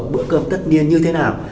bữa cơm tất niên như thế nào